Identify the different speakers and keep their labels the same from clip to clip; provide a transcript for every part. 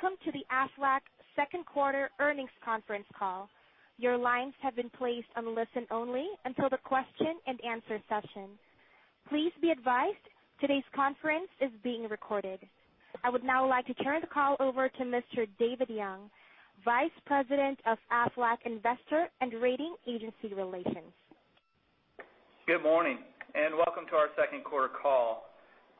Speaker 1: Welcome to the Aflac second quarter earnings conference call. Your lines have been placed on listen-only until the question and answer session. Please be advised today's conference is being recorded. I would now like to turn the call over to Mr. David Young, Vice President of Aflac Investor and Rating Agency Relations.
Speaker 2: Good morning, welcome to our second quarter call.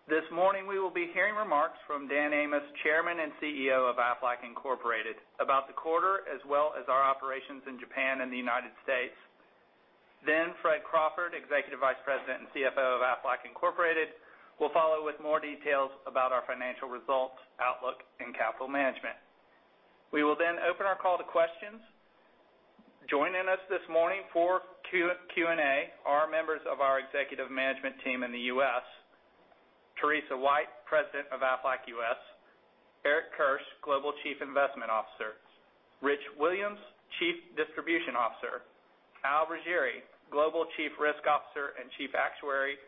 Speaker 2: This morning we will be hearing remarks from Dan Amos, Chairman and CEO of Aflac Incorporated, about the quarter as well as our operations in Japan and the U.S. Fred Crawford, Executive Vice President and CFO of Aflac Incorporated, will follow with more details about our financial results, outlook and capital management. We will open our call to questions. Joining us this morning for Q&A are members of our executive management team in the U.S., Teresa White, President of Aflac U.S., Eric Kirsch, Global Chief Investment Officer, Rich Williams, Chief Distribution Officer, Al Ruggieri, Global Chief Risk Officer and Chief Actuary,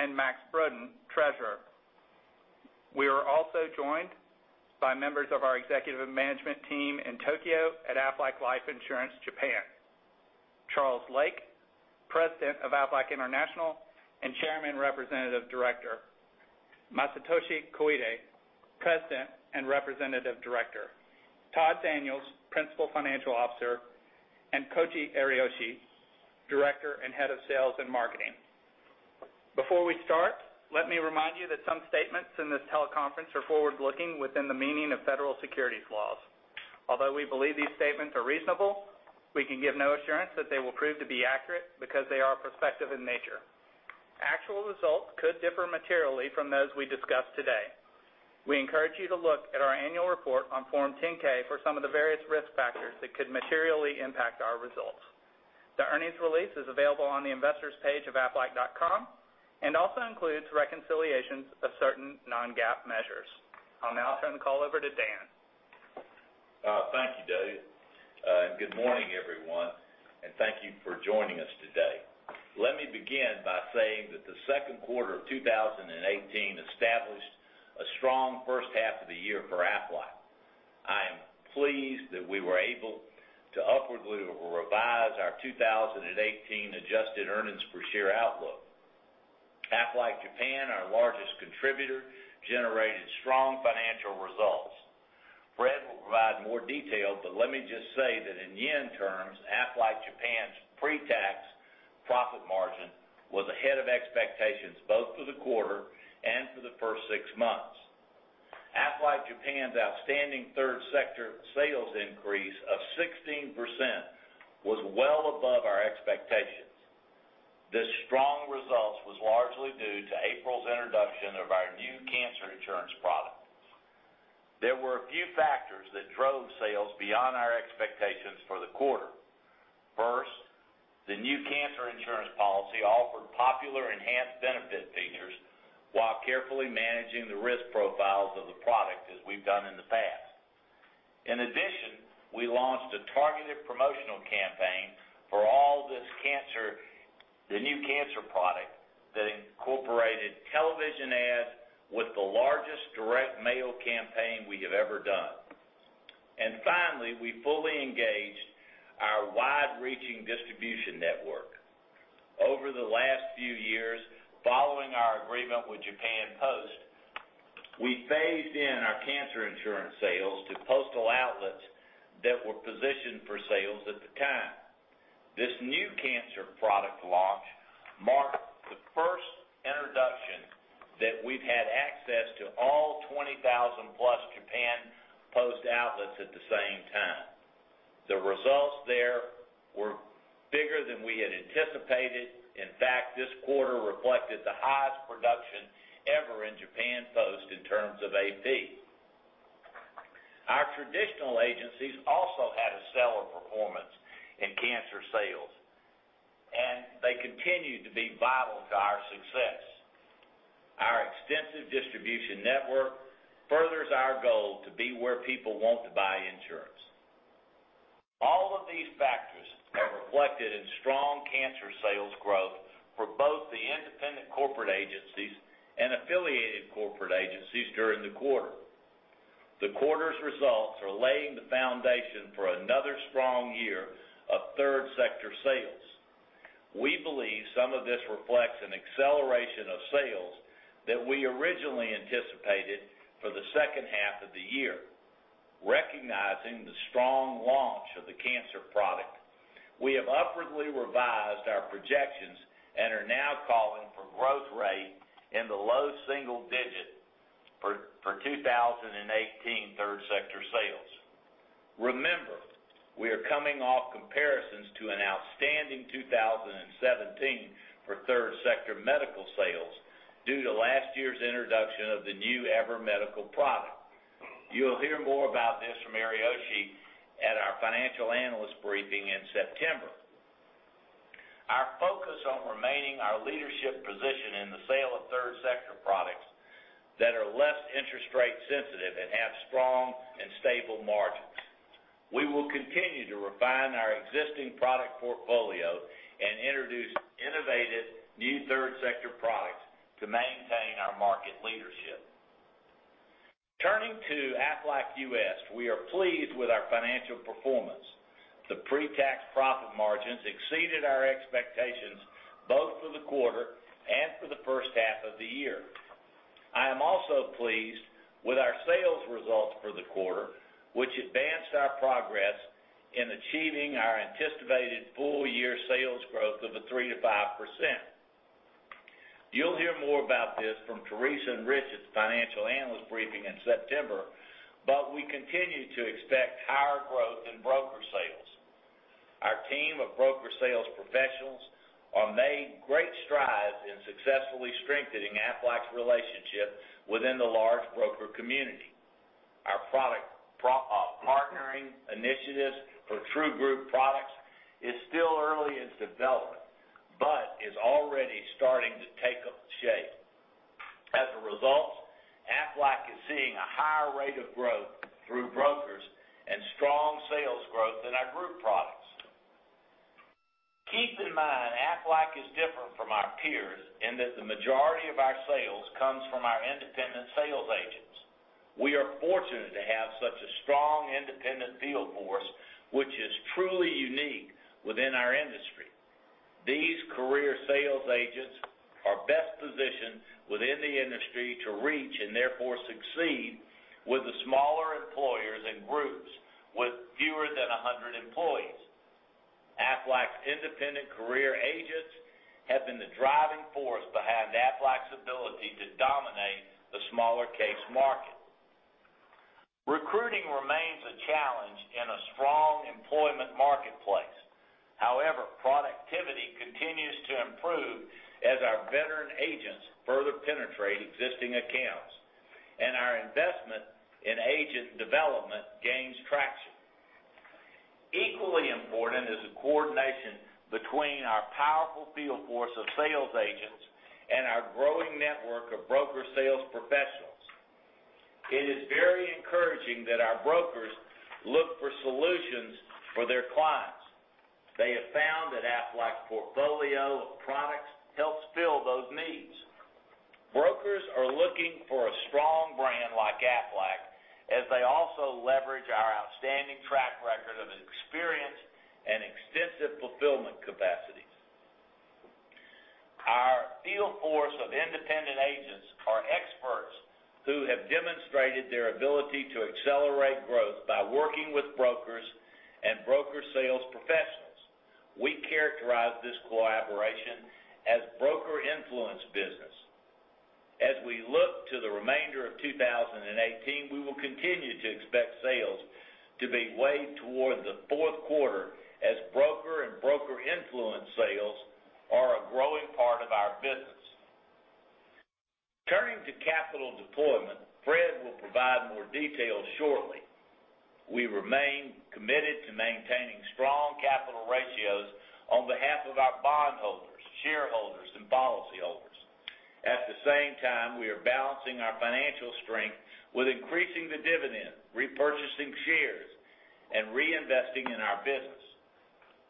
Speaker 2: and Max Brodén, Treasurer. We are also joined by members of our executive management team in Tokyo at Aflac Life Insurance Japan, Charles Lake, President of Aflac International and Chairman Representative Director, Masatoshi Koide, President and Representative Director, Todd Daniels, Principal Financial Officer, and Koji Ariyoshi, Director and Head of Sales and Marketing. Before we start, let me remind you that some statements in this teleconference are forward-looking within the meaning of federal securities laws. Although we believe these statements are reasonable, we can give no assurance that they will prove to be accurate because they are prospective in nature. Actual results could differ materially from those we discuss today. We encourage you to look at our annual report on Form 10-K for some of the various risk factors that could materially impact our results. The earnings release is available on the investors page of aflac.com and also includes reconciliations of certain non-GAAP measures. I'll now turn the call over to Dan.
Speaker 3: Thank you, David Young. Good morning, everyone, and thank you for joining us today. Let me begin by saying that the second quarter of 2018 established a strong first half of the year for Aflac. I am pleased that we were able to upwardly revise our 2018 adjusted earnings per share outlook. Aflac Japan, our largest contributor, generated strong financial results. Fred Crawford will provide more detail, but let me just say that in JPY terms, Aflac Japan's pretax profit margin was ahead of expectations both for the quarter and for the first six months. Aflac Japan's outstanding third sector sales increase of 16% was well above our expectations. The strong results was largely due to April's introduction of our new cancer insurance product. There were a few factors that drove sales beyond our expectations for the quarter. First, the new cancer insurance policy offered popular enhanced benefit features while carefully managing the risk profiles of the product as we've done in the past. In addition, we launched a targeted promotional campaign for the new cancer product that incorporated television ads with the largest direct mail campaign we have ever done. Finally, we fully engaged our wide-reaching distribution network. Over the last few years, following our agreement with Japan Post, we phased in our cancer insurance sales to postal outlets that were positioned for sales at the time. This new cancer product launch marked the first introduction that we've had access to all 20,000-plus Japan Post outlets at the same time. The results there were bigger than we had anticipated. In fact, this quarter reflected the highest production ever in Japan Post in terms of AP. Our traditional agencies also had a stellar performance in cancer sales. They continue to be vital to our success. Our extensive distribution network furthers our goal to be where people want to buy insurance. All of these factors are reflected in strong cancer sales growth for both the independent corporate agencies and affiliated corporate agencies during the quarter. The quarter's results are laying the foundation for another strong year of third sector sales. We believe some of this reflects an acceleration of sales that we originally anticipated for the second half of the year. Recognizing the strong launch of the cancer product, we have upwardly revised our projections and are now calling for growth rate in the low single digit for 2018 third sector sales. Remember, we are coming off comparisons to an outstanding 2017 for third sector medical sales due to last year's introduction of the new EVER Medical product. You'll hear more about this from Ariyoshi at our financial analyst briefing in September. Our focus on remaining our leadership position in the sale of third sector products that are less interest rate sensitive and have strong and stable margins. We will continue to refine our existing product portfolio and introduce innovative new third sector products to maintain our market leadership. Turning to Aflac U.S., we are pleased with our financial performance. The pretax profit margins exceeded our expectations both for the quarter and for the first half of the year. I am also pleased with our sales results for the quarter, which advanced our progress in achieving our anticipated full-year sales growth of 3%-5%. You'll hear more about this from Teresa and Rich's financial analyst briefing in September. We continue to expect higher growth in broker sales. Our team of broker sales professionals have made great strides in successfully strengthening Aflac's relationship within the large broker community. Our partnering initiatives for true group products is still early in development, is already starting to take up shape. As a result, Aflac is seeing a higher rate of growth through brokers and strong sales growth in our group products. Keep in mind, Aflac is different from our peers in that the majority of our sales comes from our independent sales agents. We are fortunate to have such a strong independent field force, which is truly unique within our industry. These career sales agents are best positioned within the industry to reach, and therefore succeed, with the smaller employers and groups with fewer than 100 employees. Aflac's independent career agents have been the driving force behind Aflac's ability to dominate the smaller case market. Recruiting remains a challenge in a strong employment marketplace. However, productivity continues to improve as our veteran agents further penetrate existing accounts and our investment in agent development gains traction. Equally important is the coordination between our powerful field force of sales agents and our growing network of broker sales professionals. It is very encouraging that our brokers look for solutions for their clients. They have found that Aflac's portfolio of products helps fill those needs. Brokers are looking for a strong brand like Aflac, as they also leverage our outstanding track record of experience and extensive fulfillment capacity. Our field force of independent agents are experts who have demonstrated their ability to accelerate growth by working with brokers and broker sales professionals. We characterize this collaboration as broker-influenced business. As we look to the remainder of 2018, we will continue to expect sales to be weighed toward the fourth quarter as broker and broker-influenced sales are a growing part of our business. Turning to capital deployment, Fred will provide more details shortly. We remain committed to maintaining strong capital ratios on behalf of our bondholders, shareholders, and policyholders. At the same time, we are balancing our financial strength with increasing the dividend, repurchasing shares, and reinvesting in our business.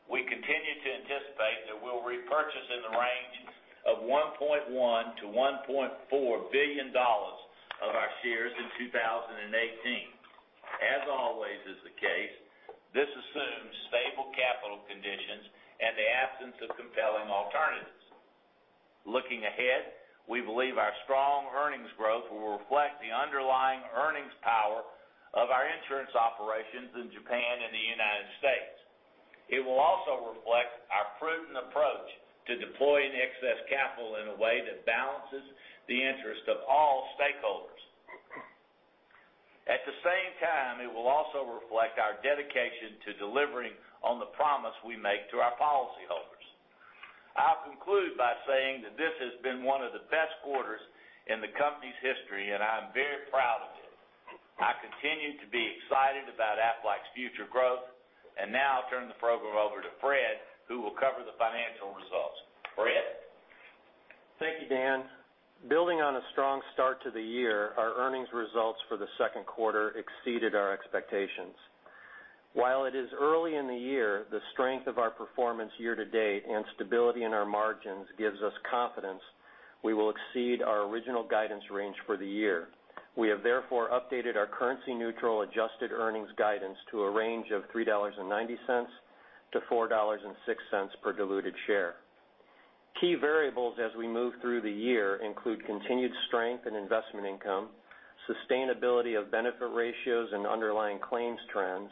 Speaker 3: We continue to anticipate that we'll repurchase in the range of $1.1 billion-$1.4 billion of our shares in 2018. As always is the case, this assumes stable capital conditions and the absence of compelling alternatives. Looking ahead, we believe our strong earnings growth will reflect the underlying earnings power of our insurance operations in Japan and the U.S. It will also reflect our prudent approach to deploying excess capital in a way that balances the interest of all stakeholders. At the same time, it will also reflect our dedication to delivering on the promise we make to our policyholders. I'll conclude by saying that this has been one of the best quarters in the company's history, and I'm very proud of it. I continue to be excited about Aflac's future growth. Now I'll turn the program over to Fred, who will cover the financial results. Fred?
Speaker 4: Thank you, Dan. Building on a strong start to the year, our earnings results for the second quarter exceeded our expectations. While it is early in the year, the strength of our performance year-to-date and stability in our margins gives us confidence we will exceed our original guidance range for the year. We have therefore updated our currency-neutral adjusted earnings guidance to a range of $3.90-$4.06 per diluted share. Key variables as we move through the year include continued strength in investment income, sustainability of benefit ratios and underlying claims trends,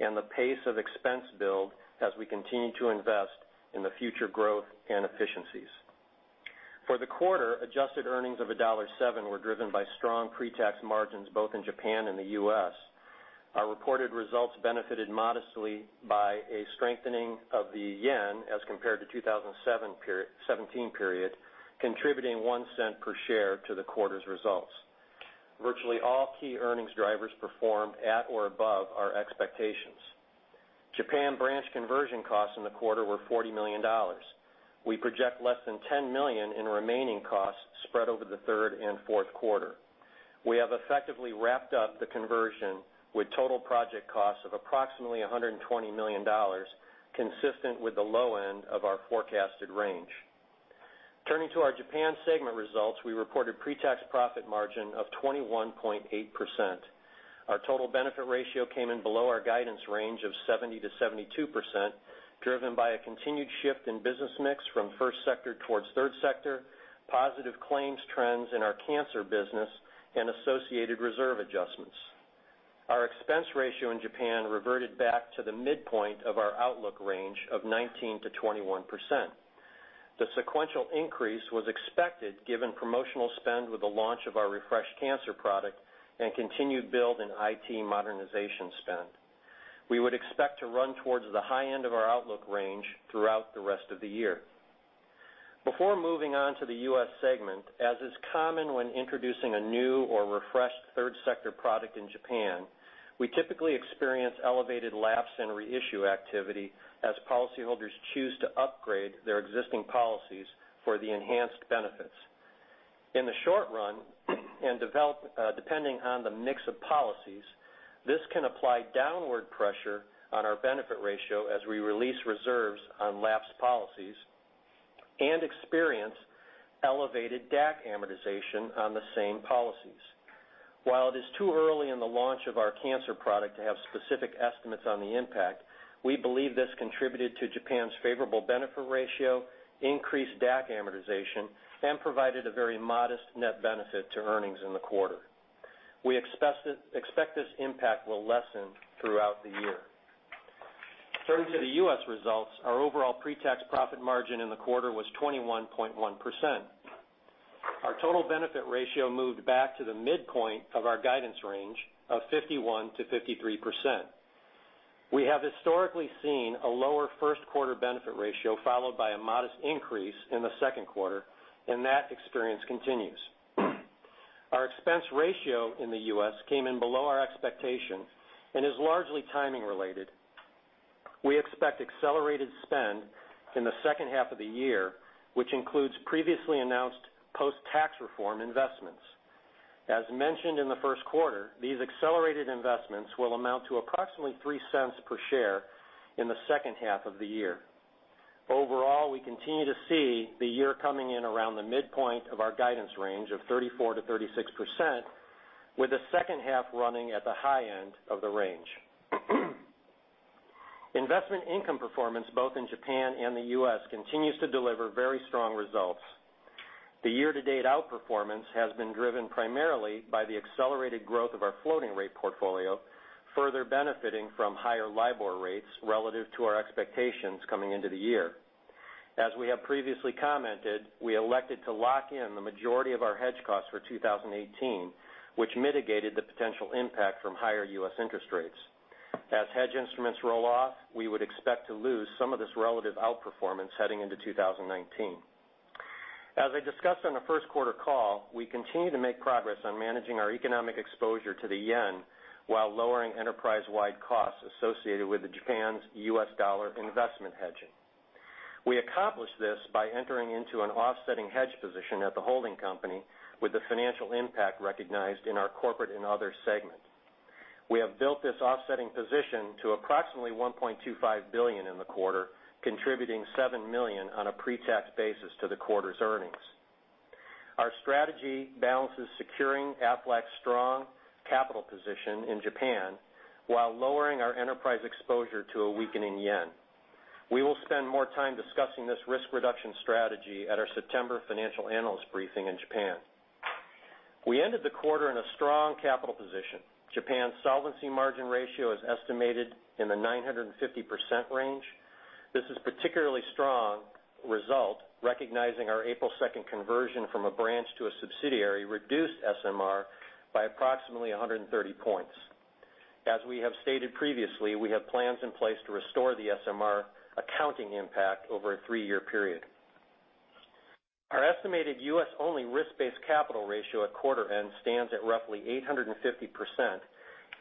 Speaker 4: and the pace of expense build as we continue to invest in the future growth and efficiencies. For the quarter, adjusted earnings of $1.07 were driven by strong pre-tax margins both in Japan and the U.S. Our reported results benefited modestly by a strengthening of the yen as compared to 2017 period, contributing $0.01 per share to the quarter's results. Virtually all key earnings drivers performed at or above our expectations. Japan branch conversion costs in the quarter were $40 million. We project less than $10 million in remaining costs spread over the third and fourth quarter. We have effectively wrapped up the conversion with total project costs of approximately $120 million, consistent with the low end of our forecasted range. Turning to our Japan segment results, we reported pre-tax profit margin of 21.8%. Our total benefit ratio came in below our guidance range of 70%-72%, driven by a continued shift in business mix from first sector towards third sector, positive claims trends in our cancer business, and associated reserve adjustments. Our expense ratio in Japan reverted back to the midpoint of our outlook range of 19%-21%. The sequential increase was expected given promotional spend with the launch of our refreshed cancer product and continued build in IT modernization spend. We would expect to run towards the high end of our outlook range throughout the rest of the year. Before moving on to the U.S. segment, as is common when introducing a new or refreshed third sector product in Japan, we typically experience elevated lapse and reissue activity as policyholders choose to upgrade their existing policies for the enhanced benefits. In the short run, and depending on the mix of policies, this can apply downward pressure on our benefit ratio as we release reserves on lapsed policies and experience elevated DAC amortization on the same policies. While it is too early in the launch of our cancer product to have specific estimates on the impact, we believe this contributed to Japan's favorable benefit ratio, increased DAC amortization, and provided a very modest net benefit to earnings in the quarter. We expect this impact will lessen throughout the year. Turning to the U.S. results, our overall pre-tax profit margin in the quarter was 21.1%. Our total benefit ratio moved back to the midpoint of our guidance range of 51%-53%. We have historically seen a lower first quarter benefit ratio, followed by a modest increase in the second quarter, and that experience continues. Our expense ratio in the U.S. came in below our expectation and is largely timing related. We expect accelerated spend in the second half of the year, which includes previously announced post-tax reform investments. As mentioned in the first quarter, these accelerated investments will amount to approximately $0.03 per share in the second half of the year. Overall, we continue to see the year coming in around the midpoint of our guidance range of 34%-36%, with the second half running at the high end of the range. Investment income performance both in Japan and the U.S. continues to deliver very strong results. The year-to-date outperformance has been driven primarily by the accelerated growth of our floating rate portfolio, further benefiting from higher LIBOR rates relative to our expectations coming into the year. As we have previously commented, we elected to lock in the majority of our hedge costs for 2018, which mitigated the potential impact from higher U.S. interest rates. As hedge instruments roll off, we would expect to lose some of this relative outperformance heading into 2019. As I discussed on the first quarter call, we continue to make progress on managing our economic exposure to the JPY while lowering enterprise-wide costs associated with Japan's U.S. dollar investment hedging. We accomplished this by entering into an offsetting hedge position at the holding company with the financial impact recognized in our corporate and other segments. We have built this offsetting position to approximately $1.25 billion in the quarter, contributing $7 million on a pre-tax basis to the quarter's earnings. Our strategy balances securing Aflac's strong capital position in Japan while lowering our enterprise exposure to a weakening JPY. We will spend more time discussing this risk reduction strategy at our September financial analyst briefing in Japan. We ended the quarter in a strong capital position. Japan's solvency margin ratio is estimated in the 950% range. This is particularly strong result, recognizing our April 2nd conversion from a branch to a subsidiary reduced SMR by approximately 130 points. As we have stated previously, we have plans in place to restore the SMR accounting impact over a three-year period. Our estimated U.S.-only risk-based capital ratio at quarter end stands at roughly 850%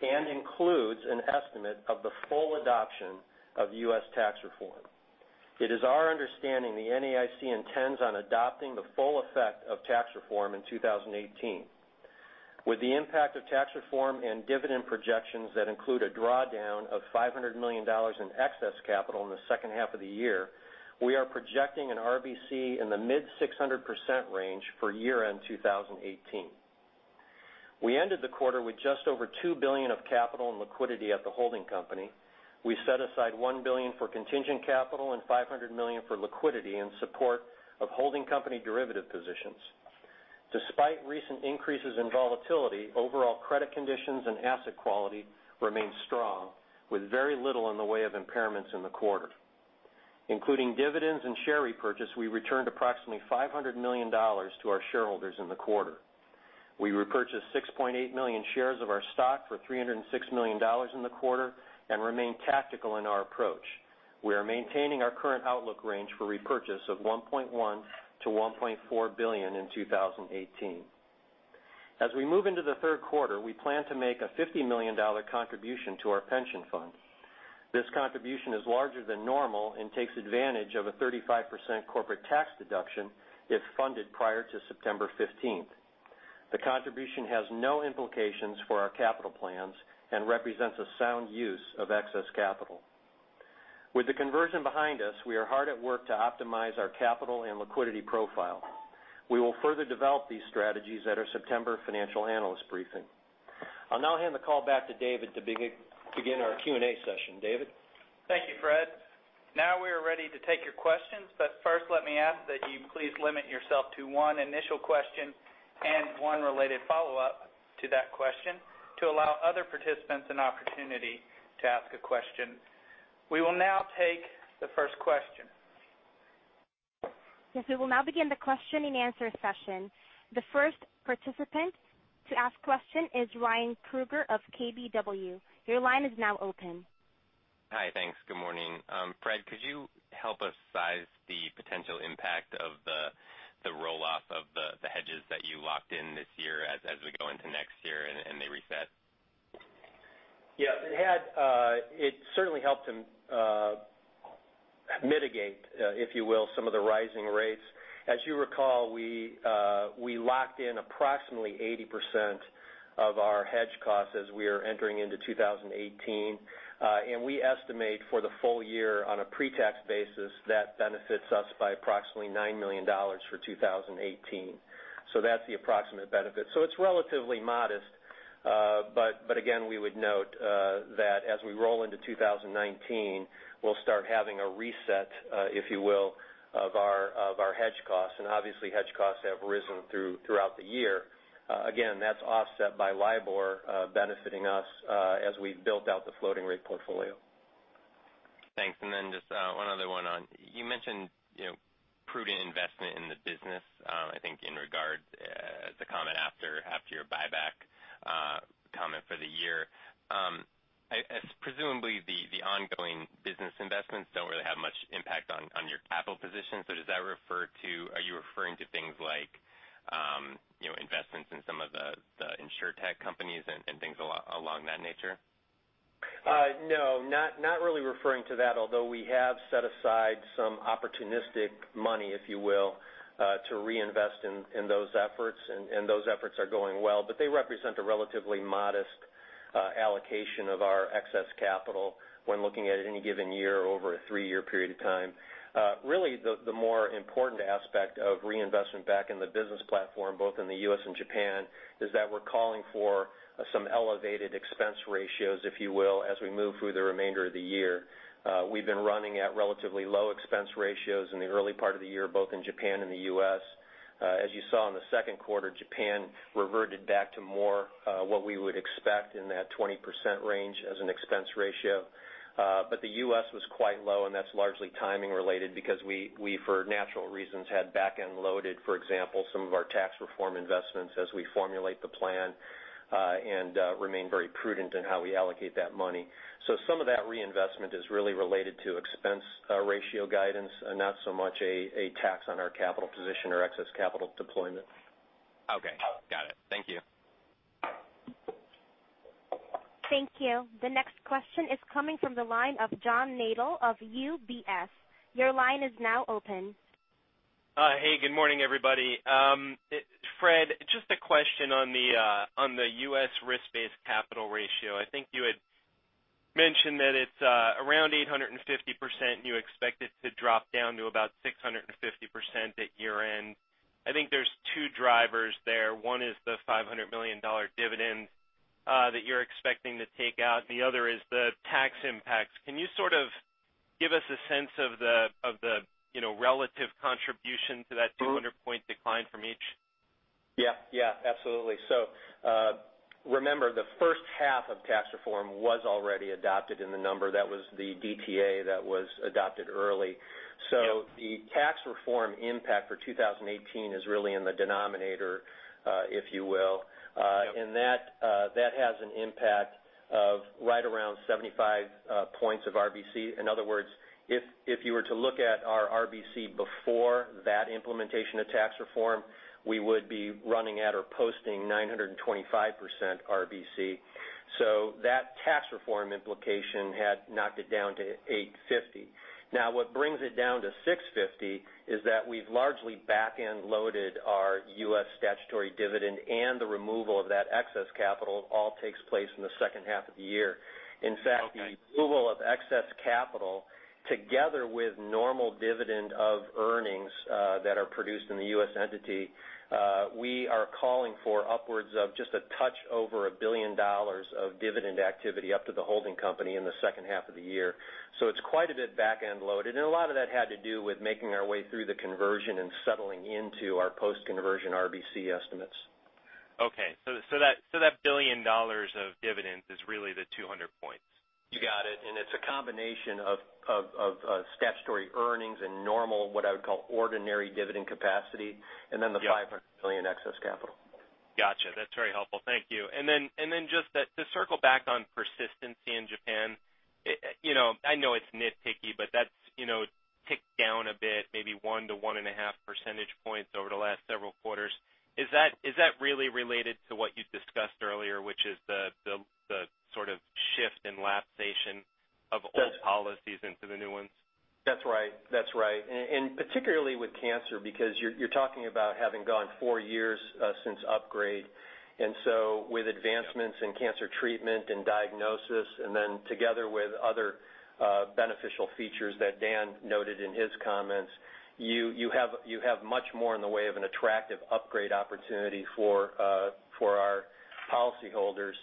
Speaker 4: and includes an estimate of the full adoption of U.S. tax reform. It is our understanding the NAIC intends on adopting the full effect of tax reform in 2018. With the impact of tax reform and dividend projections that include a drawdown of $500 million in excess capital in the second half of the year, we are projecting an RBC in the mid-600% range for year-end 2018. We ended the quarter with just over $2 billion of capital and liquidity at the holding company. We set aside $1 billion for contingent capital and $500 million for liquidity in support of holding company derivative positions. Despite recent increases in volatility, overall credit conditions and asset quality remain strong, with very little in the way of impairments in the quarter. Including dividends and share repurchase, we returned approximately $500 million to our shareholders in the quarter. We repurchased 6.8 million shares of our stock for $306 million in the quarter and remain tactical in our approach. We are maintaining our current outlook range for repurchase of $1.1 billion-$1.4 billion in 2018. As we move into the third quarter, we plan to make a $50 million contribution to our pension fund. This contribution is larger than normal and takes advantage of a 35% corporate tax deduction if funded prior to September 15th. The contribution has no implications for our capital plans and represents a sound use of excess capital. With the conversion behind us, we are hard at work to optimize our capital and liquidity profile. We will further develop these strategies at our September financial analyst briefing. I'll now hand the call back to David to begin our Q&A session. David?
Speaker 2: Thank you, Fred. First, let me ask that you please limit yourself to one initial question and one related follow-up to that question to allow other participants an opportunity to ask a question. We will now take the first question.
Speaker 1: Yes, we will now begin the question and answer session. The first participant to ask question is Ryan Krueger of KBW. Your line is now open.
Speaker 5: Hi. Thanks. Good morning. Fred, could you help us size the potential impact of the roll-off of the hedges that you locked in this year as we go into next year and they reset?
Speaker 4: Yeah. It certainly helped to mitigate, if you will, some of the rising rates. As you recall, we locked in approximately 80% of our hedge costs as we are entering into 2018. We estimate for the full year on a pre-tax basis, that benefits us by approximately $9 million for 2018. That's the approximate benefit. It's relatively modest. Again, we would note that as we roll into 2019, we'll start having a reset, if you will, of our hedge costs. Obviously hedge costs have risen throughout the year. Again, that's offset by LIBOR benefiting us as we built out the floating rate portfolio.
Speaker 5: Thanks. Just one other one on, you mentioned prudent investment in the business, I think in regard as a comment after your buyback comment for the year. Presumably the ongoing business investments don't really have much impact on your capital position. Are you referring to things like investments in some of the insurtech companies and things along that nature?
Speaker 4: No, not really referring to that, although we have set aside some opportunistic money, if you will, to reinvest in those efforts, and those efforts are going well. They represent a relatively modest allocation of our excess capital when looking at any given year over a three-year period of time. Really, the more important aspect of reinvestment back in the business platform, both in the U.S. and Japan, is that we're calling for some elevated expense ratios, if you will, as we move through the remainder of the year. We've been running at relatively low expense ratios in the early part of the year, both in Japan and the U.S. As you saw in the second quarter, Japan reverted back to more what we would expect in that 20% range as an expense ratio. The U.S. was quite low, and that's largely timing related because we, for natural reasons, had back-end loaded, for example, some of our tax reform investments as we formulate the plan, and remain very prudent in how we allocate that money. Some of that reinvestment is really related to expense ratio guidance and not so much a tax on our capital position or excess capital deployment.
Speaker 5: Okay. Got it. Thank you.
Speaker 1: Thank you. The next question is coming from the line of John Nadel of UBS. Your line is now open.
Speaker 6: Hey, good morning, everybody. Fred, just a question on the U.S. risk-based capital ratio. I think you had mentioned that it's around 850%. You expect it to drop down to about 650% at year-end. I think there's two drivers there. One is the $500 million dividend that you're expecting to take out, the other is the tax impacts. Can you sort of give us a sense of the relative contribution to that 200-point decline from each?
Speaker 4: Yeah. Absolutely. Remember, the first half of tax reform was already adopted in the number. That was the DTA that was adopted early.
Speaker 6: Yep.
Speaker 4: The tax reform impact for 2018 is really in the denominator, if you will.
Speaker 6: Yep.
Speaker 4: That has an impact of right around 75 points of RBC. In other words, if you were to look at our RBC before that implementation of tax reform, we would be running at or posting 925% RBC. That tax reform implication had knocked it down to 850. What brings it down to 650 is that we've largely back-end loaded our U.S. statutory dividend and the removal of that excess capital all takes place in the second half of the year.
Speaker 6: Okay
Speaker 4: The removal of excess capital, together with normal dividend of earnings that are produced in the U.S. entity, we are calling for upwards of just a touch over $1 billion of dividend activity up to the holding company in the second half of the year. It's quite a bit back-end loaded, and a lot of that had to do with making our way through the conversion and settling into our post-conversion RBC estimates.
Speaker 6: Okay. That $1 billion of dividends is really the 200 points.
Speaker 4: You got it. It's a combination of statutory earnings and normal, what I would call ordinary dividend capacity.
Speaker 6: Yep
Speaker 4: The $500 million excess capital.
Speaker 6: Got you. That's very helpful. Thank you. Just to circle back on persistency in Japan. I know it's nitpicky, but that's down a bit, maybe one to one and a half percentage points over the last several quarters. Is that really related to what you discussed earlier, which is the shift in lapsation of old policies into the new ones?
Speaker 4: That's right. Particularly with cancer, because you're talking about having gone four years since upgrade. With advancements in cancer treatment and diagnosis, and then together with other beneficial features that Dan noted in his comments, you have much more in the way of an attractive upgrade opportunity for our policy holders,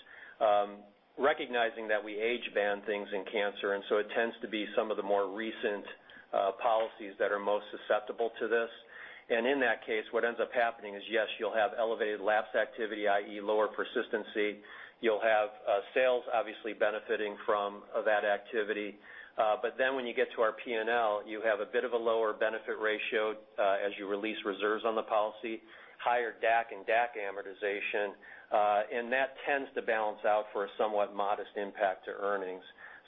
Speaker 4: recognizing that we age-band things in cancer, so it tends to be some of the more recent policies that are most susceptible to this. In that case, what ends up happening is, yes, you'll have elevated lapse activity, i.e., lower persistency. You'll have sales obviously benefiting from that activity. When you get to our P&L, you have a bit of a lower benefit ratio as you release reserves on the policy, higher DAC and DAC amortization. That tends to balance out for a somewhat modest impact to earnings.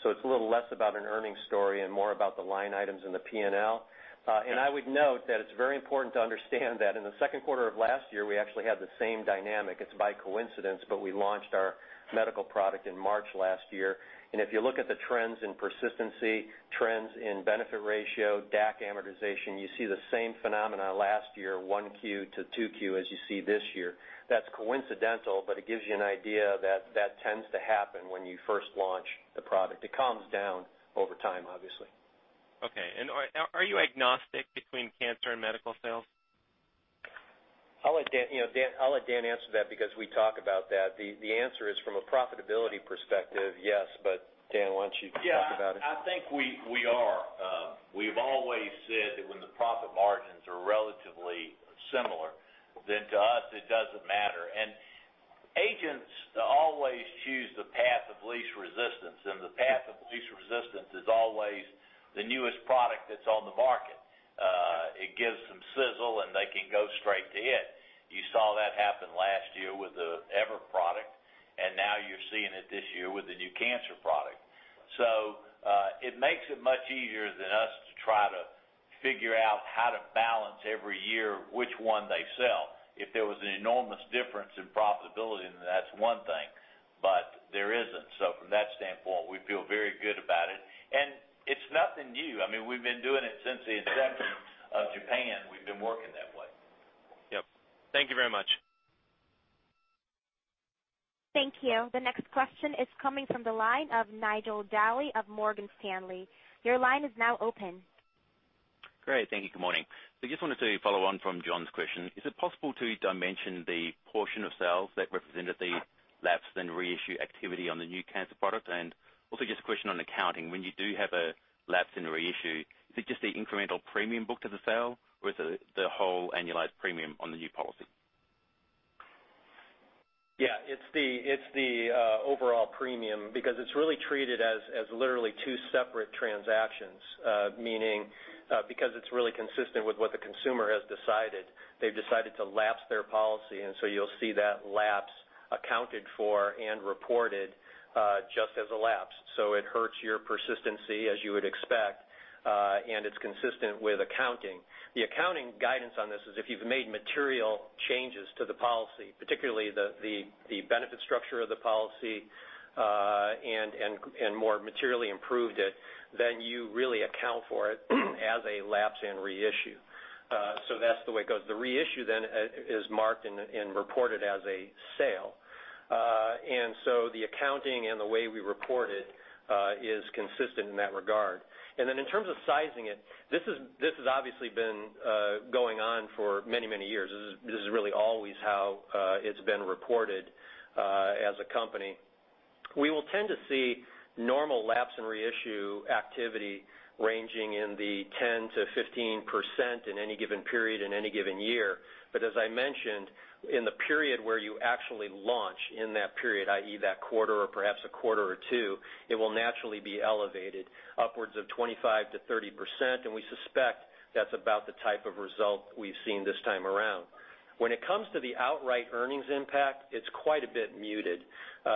Speaker 4: It's a little less about an earnings story and more about the line items in the P&L. I would note that it's very important to understand that in the second quarter of last year, we actually had the same dynamic. It's by coincidence, but we launched our medical product in March last year. If you look at the trends in persistency, trends in benefit ratio, DAC amortization, you see the same phenomena last year, 1Q to 2Q, as you see this year. That's coincidental, but it gives you an idea that that tends to happen when you first launch the product. It calms down over time, obviously.
Speaker 6: Okay. Are you agnostic between cancer and medical sales?
Speaker 4: I'll let Dan answer that because we talk about that. The answer is from a profitability perspective, yes, but Dan, why don't you talk about it?
Speaker 3: Yeah, I think we are. We've always said that when the profit margins are relatively similar, then to us it doesn't matter. Agents always choose the path of least resistance, and the path of least resistance is always the newest product that's on the market. It gives some sizzle and they can go straight to it. You saw that happen last year with the EVER product, and now you're seeing it this year with the new cancer product. It makes it much easier than us to try to figure out how to balance every year which one they sell. If there was an enormous difference in profitability, then that's one thing, but there isn't. From that standpoint, we feel very good about it. It's nothing new. We've been doing it since the inception of Japan. We've been working that way.
Speaker 6: Yep. Thank you very much.
Speaker 1: Thank you. The next question is coming from the line of Nigel Dally of Morgan Stanley. Your line is now open.
Speaker 7: Great. Thank you. Good morning. I just wanted to follow on from John's question. Is it possible to dimension the portion of sales that represented the lapse then reissue activity on the new cancer product? Also just a question on accounting. When you do have a lapse and reissue, is it just the incremental premium booked as a sale or is it the whole annualized premium on the new policy?
Speaker 4: Yeah. It's the overall premium because it's really treated as literally two separate transactions. Meaning, because it's really consistent with what the consumer has decided. They've decided to lapse their policy, you'll see that lapse accounted for and reported just as a lapse. It hurts your persistency as you would expect, and it's consistent with accounting. The accounting guidance on this is if you've made material changes to the policy, particularly the benefit structure of the policy, and more materially improved it, then you really account for it as a lapse and reissue. That's the way it goes. The reissue then is marked and reported as a sale. The accounting and the way we report it, is consistent in that regard. In terms of sizing it, this has obviously been going on for many, many years. This is really always how it's been reported as a company. We will tend to see normal lapse and reissue activity ranging in the 10%-15% in any given period in any given year. As I mentioned, in the period where you actually launch in that period, i.e., that quarter or perhaps a quarter or two, it will naturally be elevated upwards of 25%-30%, and we suspect that's about the type of result we've seen this time around. When it comes to the outright earnings impact, it's quite a bit muted.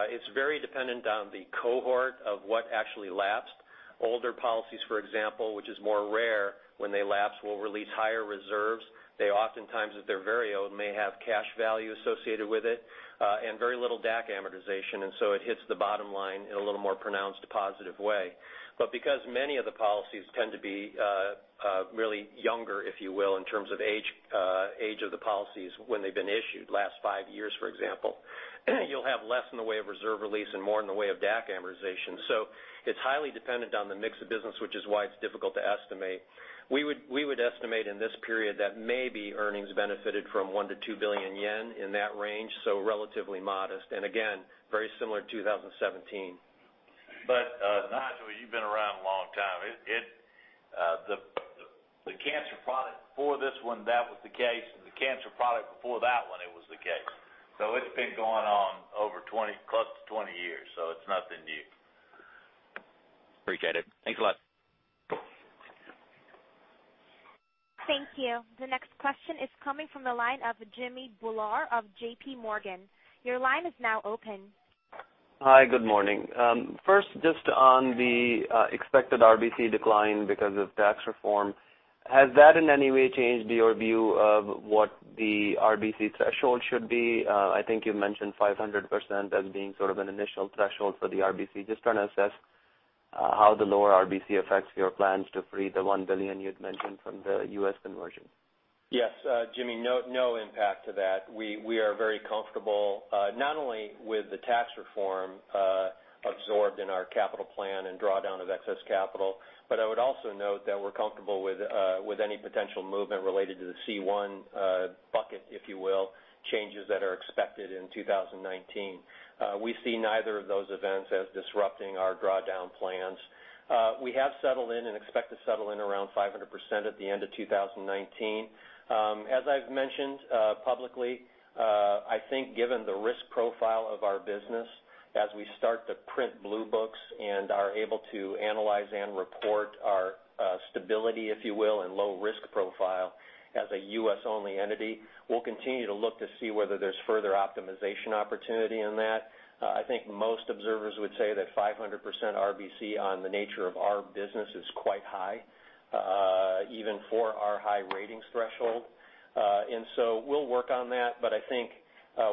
Speaker 4: It's very dependent on the cohort of what actually lapsed. Older policies, for example, which is more rare when they lapse, will release higher reserves. They oftentimes, if they're very old, may have cash value associated with it, and very little DAC amortization. It hits the bottom line in a little more pronounced positive way. Because many of the policies tend to be really younger, if you will, in terms of age of the policies when they've been issued, last five years, for example, you'll have less in the way of reserve release and more in the way of DAC amortization. It's highly dependent on the mix of business, which is why it's difficult to estimate. We would estimate in this period that maybe earnings benefited from 1 billion-2 billion yen, in that range, so relatively modest, and again, very similar to 2017.
Speaker 3: Nigel, you've been around a long time. The cancer product for this one, that was the case, the cancer product before that one, it was the case. It's been going on close to 20 years, so it's nothing new.
Speaker 7: Appreciate it. Thanks a lot.
Speaker 1: Thank you. The next question is coming from the line of Jimmy Bhullar of J.P. Morgan. Your line is now open.
Speaker 8: Hi, good morning. First, just on the expected RBC decline because of tax reform, has that in any way changed your view of what the RBC threshold should be? I think you mentioned 500% as being sort of an initial threshold for the RBC. Just trying to assess how the lower RBC affects your plans to free the $1 billion you'd mentioned from the U.S. conversion.
Speaker 4: Yes, Jimmy, no impact to that. We are very comfortable, not only with the tax reform absorbed in our capital plan and drawdown of excess capital, but I would also note that we're comfortable with any potential movement related to the C1 bucket, if you will, changes that are expected in 2019. We see neither of those events as disrupting our drawdown plans. We have settled in and expect to settle in around 500% at the end of 2019. As I've mentioned publicly, I think given the risk profile of our business as we start to print Blue Book and are able to analyze and report our stability, if you will, and low risk profile as a U.S.-only entity, we'll continue to look to see whether there's further optimization opportunity in that. I think most observers would say that 500% RBC on the nature of our business is quite high, even for our high ratings threshold. We'll work on that, but I think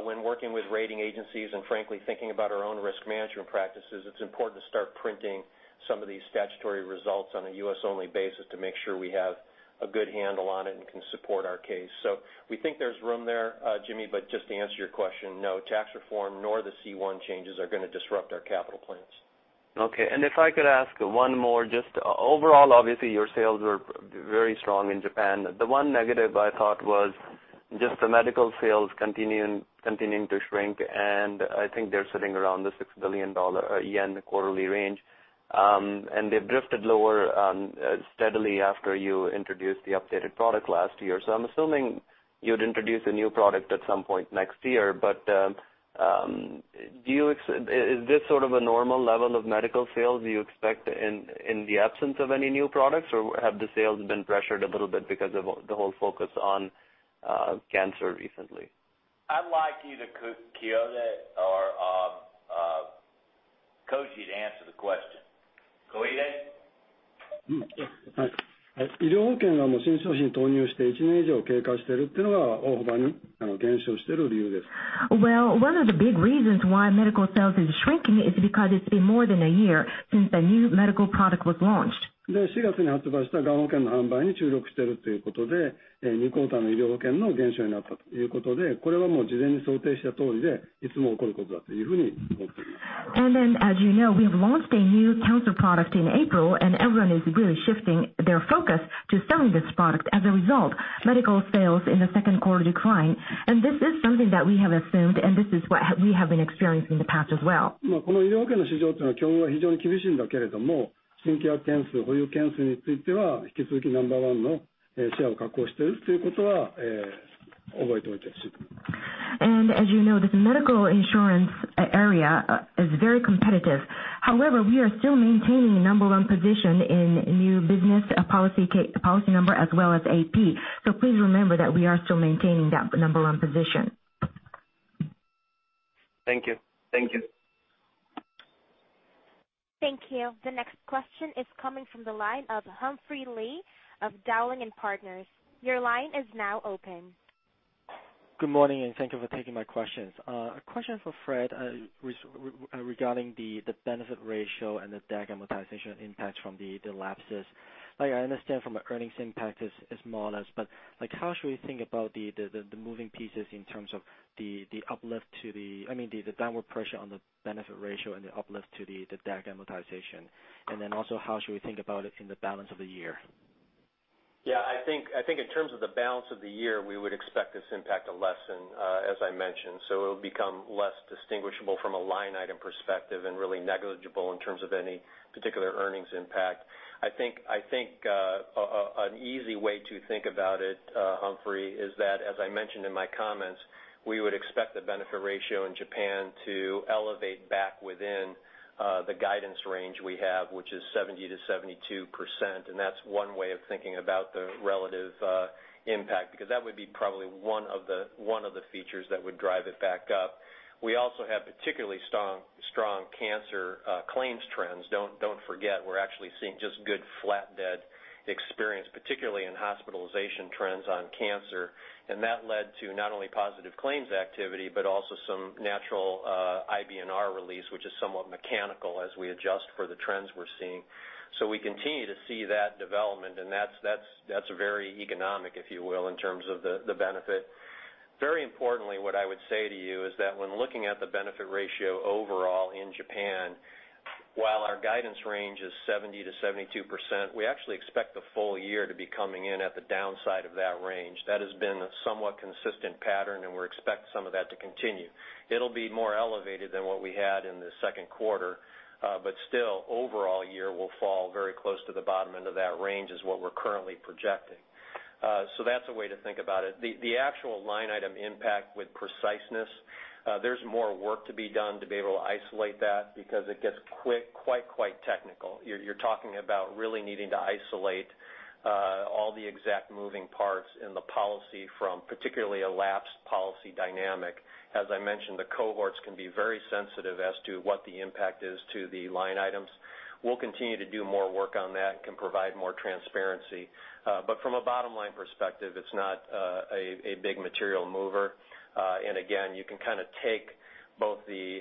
Speaker 4: when working with rating agencies, and frankly, thinking about our own risk management practices, it's important to start printing some of these statutory results on a U.S.-only basis to make sure we have a good handle on it and can support our case. We think there's room there, Jimmy, but just to answer your question, no, tax reform nor the C1 changes are going to disrupt our capital plans.
Speaker 8: Okay. If I could ask one more, just overall, obviously, your sales were very strong in Japan. The one negative I thought was just the medical sales continuing to shrink, and I think they're sitting around the 6 billion yen quarterly range. They've drifted lower steadily after you introduced the updated product last year. I'm assuming you'd introduce a new product at some point next year. Is this sort of a normal level of medical sales you expect in the absence of any new products, or have the sales been pressured a little bit because of the whole focus on cancer recently?
Speaker 4: I'd like either Koide or Koji to answer the question. Koji?
Speaker 9: Well, one of the big reasons why medical sales is shrinking is because it's been more than a year since the new medical product was launched. As you know, we've launched a new cancer product in April, and everyone is really shifting their focus to selling this product. As a result, medical sales in the second quarter declined. This is something that we have assumed, and this is what we have been experiencing in the past as well. As you know, this medical insurance area is very competitive. However, we are still maintaining a number 1 position in new business policy number as well as AP. Please remember that we are still maintaining that number 1 position.
Speaker 8: Thank you.
Speaker 1: Thank you. The next question is coming from the line of Humphrey Lee of Dowling & Partners. Your line is now open.
Speaker 10: Good morning, and thank you for taking my questions. A question for Fred regarding the benefit ratio and the DAC amortization impact from the lapses. I understand from an earnings impact is modest, but how should we think about the moving pieces in terms of the downward pressure on the benefit ratio and the uplift to the DAC amortization? How should we think about it in the balance of the year?
Speaker 4: Yeah, I think in terms of the balance of the year, we would expect this impact to lessen, as I mentioned. It'll become less distinguishable from a line item perspective and really negligible in terms of any particular earnings impact. I think, an easy way to think about it, Humphrey, is that, as I mentioned in my comments, we would expect the benefit ratio in Japan to elevate back within the guidance range we have, which is 70%-72%. That's one way of thinking about the relative impact, because that would be probably one of the features that would drive it back up. We also have particularly strong cancer claims trends. Don't forget, we're actually seeing just good flat dead experience, particularly in hospitalization trends on cancer. That led to not only positive claims activity, but also some natural IBNR release, which is somewhat mechanical as we adjust for the trends we're seeing. We continue to see that development, and that's very economic, if you will, in terms of the benefit. Very importantly, what I would say to you is that when looking at the benefit ratio overall in Japan, while our guidance range is 70%-72%, we actually expect the full year to be coming in at the downside of that range. That has been a somewhat consistent pattern, and we expect some of that to continue. It'll be more elevated than what we had in the second quarter, but still, overall year will fall very close to the bottom end of that range is what we're currently projecting. That's a way to think about it. The actual line item impact with preciseness, there's more work to be done to be able to isolate that because it gets quite technical. You're talking about really needing to isolate all the exact moving parts in the policy from particularly. Policy dynamic. As I mentioned, the cohorts can be very sensitive as to what the impact is to the line items. We'll continue to do more work on that and can provide more transparency. From a bottom-line perspective, it's not a big material mover. Again, you can kind of take both the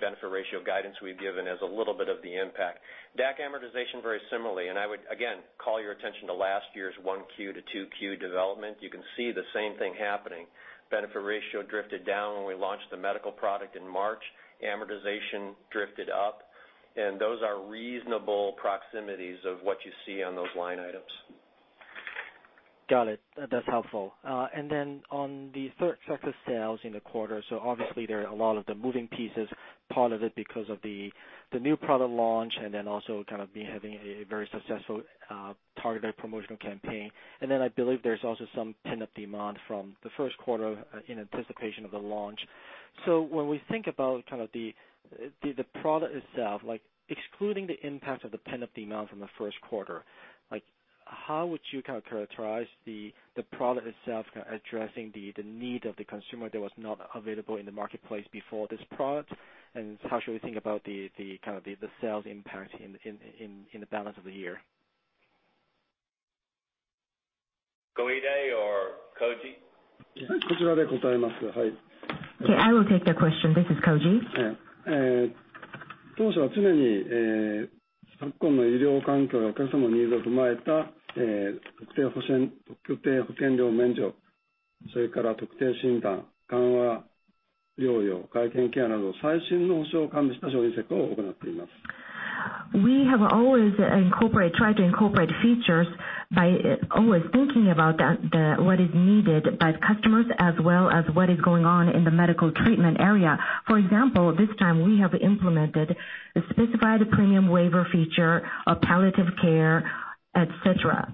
Speaker 4: benefit ratio guidance we've given as a little bit of the impact. DAC amortization, very similarly, and I would again call your attention to last year's 1Q to 2Q development. You can see the same thing happening. Benefit ratio drifted down when we launched the medical product in March, amortization drifted up, and those are reasonable proximities of what you see on those line items.
Speaker 10: Got it. That's helpful. On the third sector of sales in the quarter, obviously there are a lot of the moving pieces, part of it because of the new product launch and then also kind of having a very successful targeted promotional campaign. I believe there's also some pent-up demand from the first quarter in anticipation of the launch. When we think about the product itself, excluding the impact of the pent-up demand from the first quarter, how would you kind of characterize the product itself addressing the need of the consumer that was not available in the marketplace before this product? How should we think about the sales impact in the balance of the year?
Speaker 3: Koide or Koji?
Speaker 11: Okay, I will take the question. This is Koji. We have always tried to incorporate features by always thinking about what is needed by the customers as well as what is going on in the medical treatment area. For example, this time we have implemented the specified premium waiver feature of palliative care, et cetera.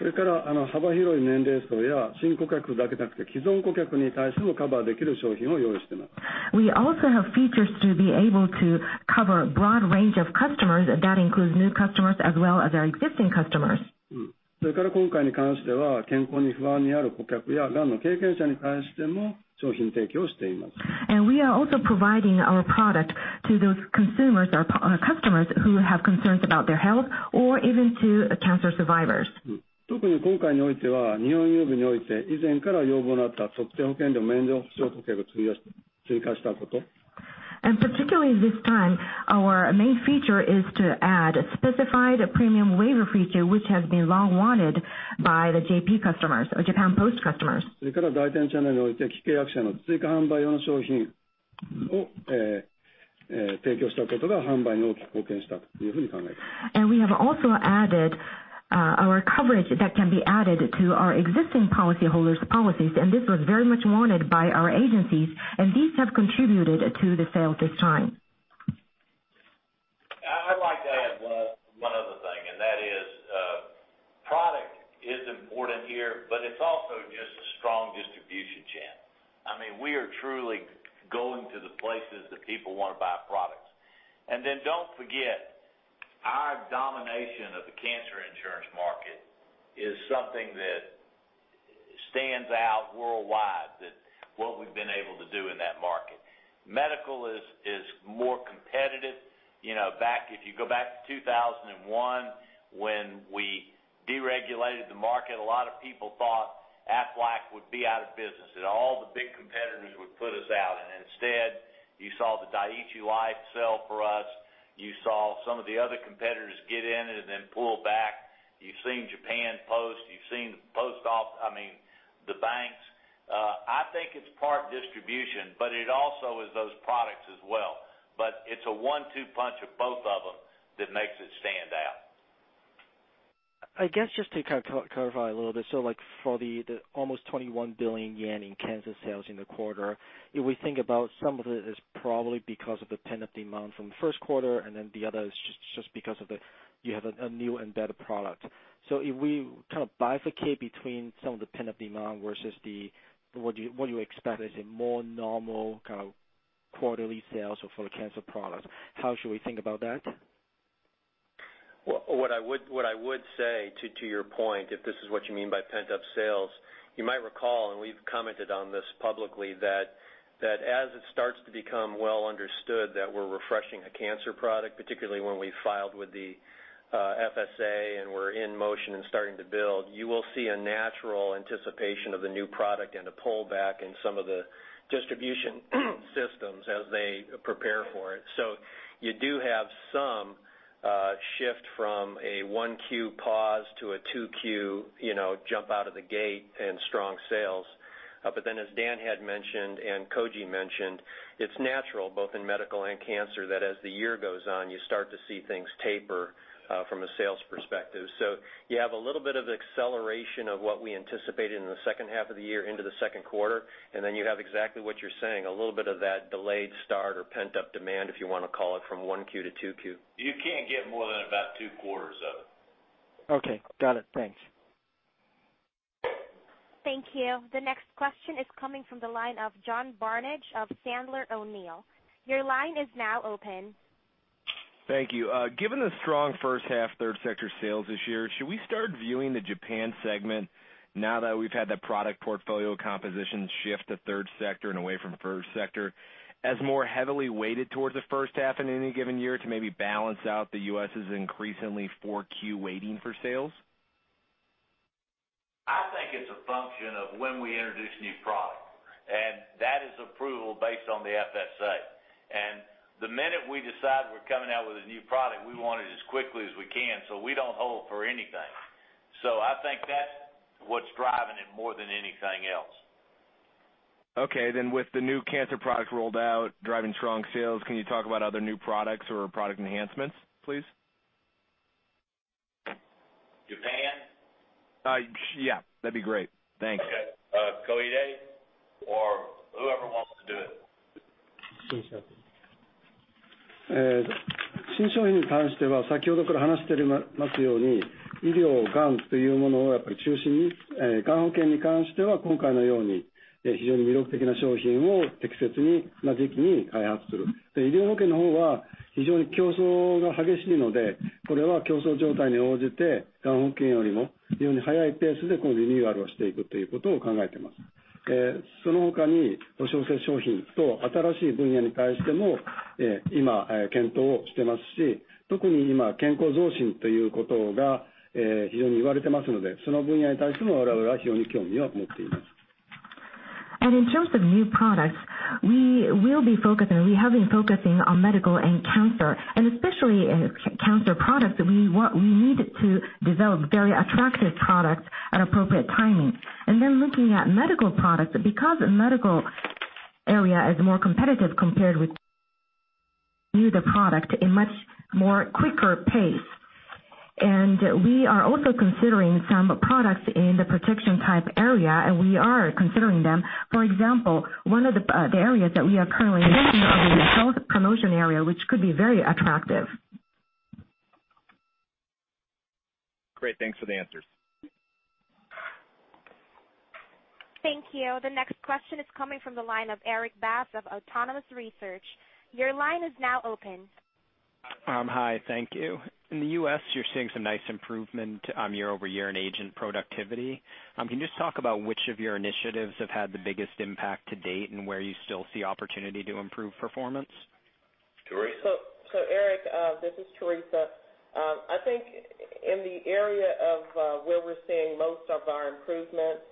Speaker 11: We also have features to be able to cover a broad range of customers, that includes new customers as well as our existing customers. We are also providing our product to those consumers, our customers who have concerns about their health or even to cancer survivors. Particularly this time, our main feature is to add a specified premium waiver feature, which has been long wanted by the JP customers or Japan Post customers. We have also added our coverage that can be added to our existing policyholders' policies, and this was very much wanted by our agencies, and these have contributed to the sale at this time.
Speaker 3: I'd like to add one other thing, and that is, product is important here, but it's also just a strong distribution channel. I mean, we are truly going to the places that people want to buy products. Don't forget, our domination of the cancer insurance market is something that stands out worldwide, what we've been able to do in that market. Medical is more competitive. If you go back to 2001, when we deregulated the market, a lot of people thought Aflac would be out of business, that all the big competitors would put us out. Instead, you saw the Dai-ichi Life sell for us. You saw some of the other competitors get in and then pull back. You've seen Japan Post. You've seen the banks. I think it's part distribution, but it also is those products as well. It's a one-two punch of both of them that makes it stand out.
Speaker 10: Just to clarify a little bit. For the almost 21 billion yen in cancer sales in the quarter, if we think about some of it is probably because of the pent-up demand from the first quarter, the other is just because you have a new and better product. If we kind of bifurcate between some of the pent-up demand versus what you expect as a more normal kind of quarterly sales for the cancer product, how should we think about that?
Speaker 4: What I would say to your point, if this is what you mean by pent-up sales, you might recall, and we've commented on this publicly, that as it starts to become well understood that we're refreshing a cancer product, particularly when we filed with the FSA and we're in motion and starting to build, you will see a natural anticipation of the new product and a pullback in some of the distribution systems as they prepare for it. You do have some shift from a one Q pause to a two Q jump out of the gate and strong sales. As Dan had mentioned and Koji mentioned, it's natural, both in medical and cancer, that as the year goes on, you start to see things taper from a sales perspective. You have a little bit of acceleration of what we anticipated in the second half of the year into the second quarter, you have exactly what you're saying, a little bit of that delayed start or pent-up demand, if you want to call it, from one Q to two Q.
Speaker 3: You can't get more than about two quarters of it.
Speaker 10: Okay, got it. Thanks.
Speaker 1: Thank you. The next question is coming from the line of John Barnidge of Sandler O'Neill. Your line is now open.
Speaker 12: Thank you. Given the strong first half third sector sales this year, should we start viewing the Japan segment now that we've had that product portfolio composition shift to third sector and away from first sector as more heavily weighted towards the first half in any given year to maybe balance out the U.S.' increasingly four Q weighting for sales?
Speaker 3: I think it's a function of when we introduce new product, and that is approval based on the FSA. The minute we decide we're coming out with a new product, we want it as quickly as we can, so we don't hold for anything. I think that's what's driving it more than anything else.
Speaker 12: Okay, with the new cancer product rolled out, driving strong sales, can you talk about other new products or product enhancements, please?
Speaker 3: Japan?
Speaker 12: Yeah, that'd be great. Thanks.
Speaker 3: Okay. Koide or whoever wants to do it.
Speaker 9: In terms of new products, we will be focusing, we have been focusing on medical and cancer, and especially in cancer products, we needed to develop very attractive products at appropriate timing. Looking at medical products, because the medical area is more competitive compared with new the product in much more quicker pace. We are also considering some products in the protection type area, and we are considering them. For example, one of the areas that we are currently looking at are the health promotion area, which could be very attractive.
Speaker 12: Great. Thanks for the answers.
Speaker 1: Thank you. The next question is coming from the line of Erik Bass of Autonomous Research. Your line is now open.
Speaker 13: Hi. Thank you. In the U.S., you're seeing some nice improvement on year-over-year in agent productivity. Can you just talk about which of your initiatives have had the biggest impact to date and where you still see opportunity to improve performance?
Speaker 3: Teresa.
Speaker 14: Erik, this is Teresa. I think in the area of where we're seeing most of our improvements,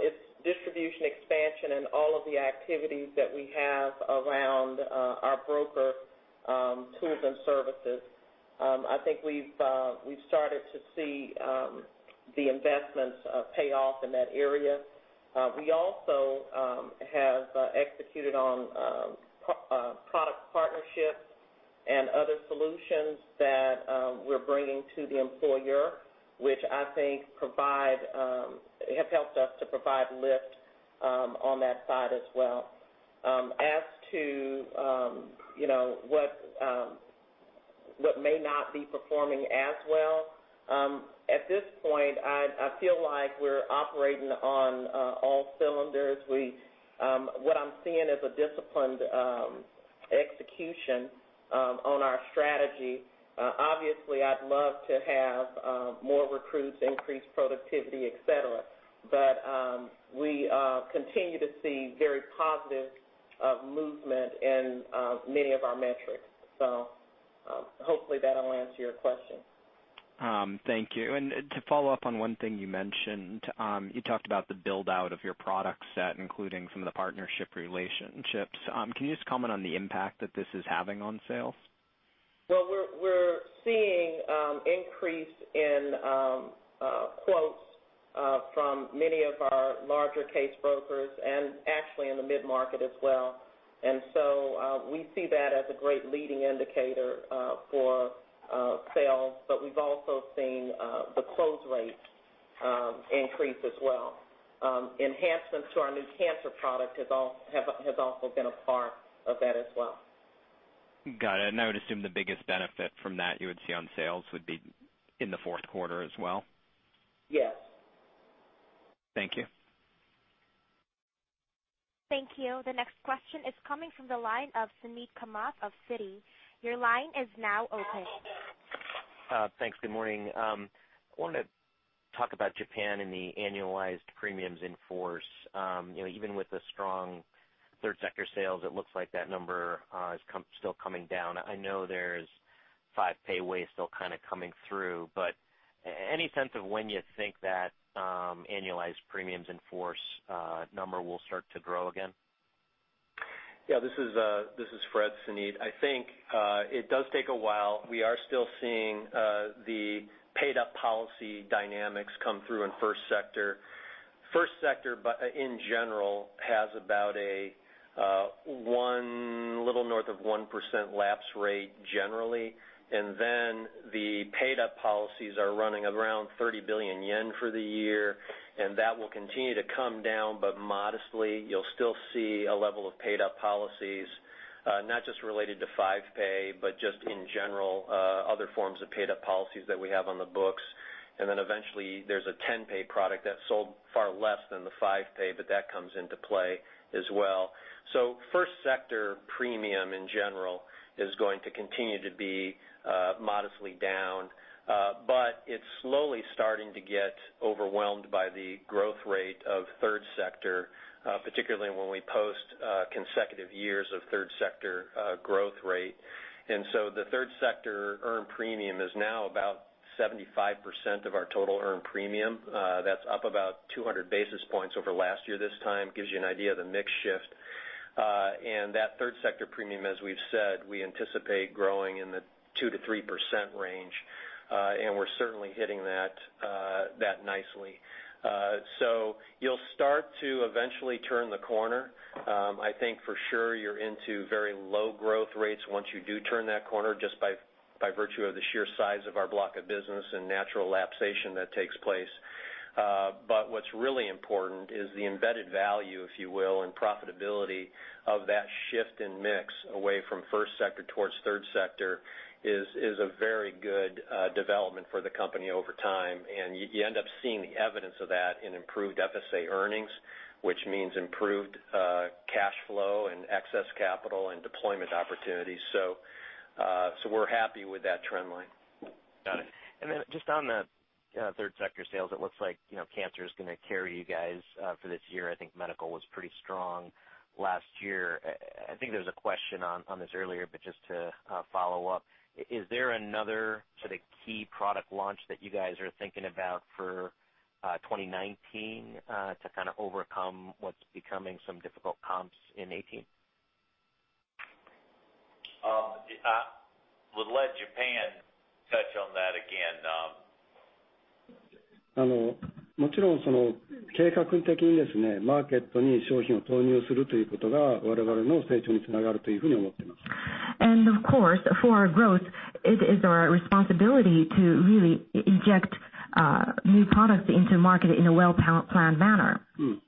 Speaker 14: it's distribution expansion and all of the activities that we have around our broker tools and services. I think we've started to see the investments pay off in that area. We also have executed on product partnerships and other solutions that we're bringing to the employer, which I think have helped us to provide lift on that side as well. As to what may not be performing as well, at this point, I feel like we're operating on all cylinders. What I'm seeing is a disciplined execution on our strategy. Obviously, I'd love to have more recruits, increased productivity, et cetera. We continue to see very positive movement in many of our metrics. Hopefully that'll answer your question.
Speaker 13: Thank you. To follow up on one thing you mentioned, you talked about the build-out of your product set, including some of the partnership relationships. Can you just comment on the impact that this is having on sales?
Speaker 14: Well, we're seeing increase in quotes from many of our larger case brokers and actually in the mid-market as well. We see that as a great leading indicator for sales, but we've also seen the close rate increase as well. Enhancements to our new cancer product has also been a part of that as well.
Speaker 13: Got it. I would assume the biggest benefit from that you would see on sales would be in the fourth quarter as well?
Speaker 14: Yes.
Speaker 13: Thank you.
Speaker 1: Thank you. The next question is coming from the line of Suneet Kamath of Citi. Your line is now open.
Speaker 15: Thanks. Good morning. I wanted to talk about Japan and the annualized premiums in force. Even with the strong third sector sales, it looks like that number is still coming down. I know there's five-pay WAYS still kind of coming through, any sense of when you think that annualized premiums in force number will start to grow again?
Speaker 4: Yeah, this is Fred, Suneet. I think it does take a while. We are still seeing the paid-up policy dynamics come through in first sector. First sector, in general, has about a little north of 1% lapse rate generally. The paid-up policies are running around 30 billion yen for the year, that will continue to come down, modestly. You'll still see a level of paid-up policies, not just related to five-pay, just in general other forms of paid-up policies that we have on the books. Eventually there's a 10-pay product that's sold far less than the five-pay, that comes into play as well. First sector premium in general is going to continue to be modestly down, it's slowly starting to get overwhelmed by the growth rate of third sector, particularly when we post consecutive years of third sector growth rate. The third sector earned premium is now about 75% of our total earned premium. That's up about 200 basis points over last year this time. Gives you an idea of the mix shift. That third sector premium, as we've said, we anticipate growing in the 2% to 3% range. We're certainly hitting that nicely. You'll start to eventually turn the corner. I think for sure you're into very low growth rates once you do turn that corner, just by virtue of the sheer size of our block of business and natural lapsation that takes place. What's really important is the embedded value, if you will, and profitability of that shift in mix away from first sector towards third sector is a very good development for the company over time. You end up seeing the evidence of that in improved FSA earnings, which means improved cash flow and excess capital and deployment opportunities. We're happy with that trend line.
Speaker 15: Got it. Just on the third sector sales, it looks like cancer is going to carry you guys for this year. I think medical was pretty strong last year. I think there was a question on this earlier, but just to follow up, is there another sort of key product launch that you guys are thinking about for 2019 to kind of overcome what's becoming some difficult comps in 2018?
Speaker 3: I would let Japan touch on that again.
Speaker 9: Of course, for our growth, it is our responsibility to really inject new products into the market in a well-planned manner. We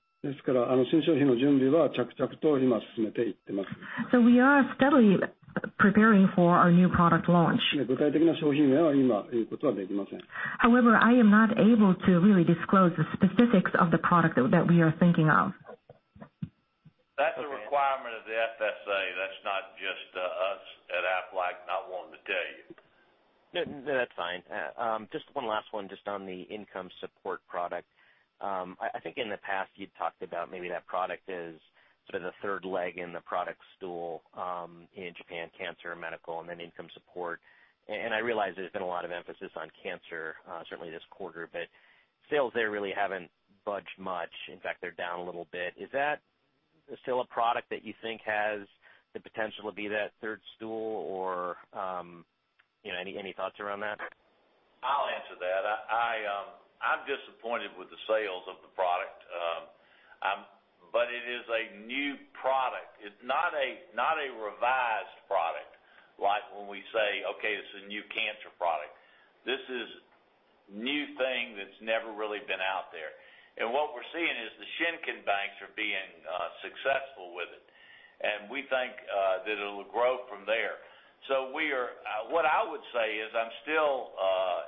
Speaker 9: are steadily preparing for our new product launch. However, I am not able to really disclose the specifics of the product that we are thinking of.
Speaker 3: That's a requirement of the FSA. That's not just us at Aflac not wanting to tell you.
Speaker 15: No, that's fine. Just one last one just on the income support product. I think in the past, you'd talked about maybe that product is sort of the third leg in the product stool in Japan, cancer, medical, and then income support. I realize there's been a lot of emphasis on cancer, certainly this quarter, but sales there really haven't budged much. In fact, they're down a little bit. Is that still a product that you think has the potential to be that third stool or any thoughts around that?
Speaker 3: I'll answer that. I'm disappointed with the sales of the product. It is a new product. It's not a revised product. Like when we say, okay, this is a new cancer product. This is new thing that's never really been out there. What we're seeing is the Shinkin banks are being successful with it. We think that it'll grow from there. What I would say is I'm still